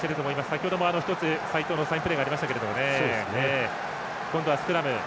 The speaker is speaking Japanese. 先ほども、一つ齋藤のサインプレーがありましたから。